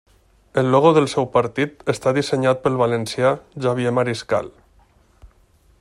El logo del seu partit està dissenyat pel valencià Xavier Mariscal.